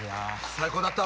最高だった。